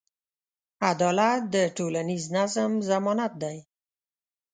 عدالت د ټولنیز نظم ضمانت دی.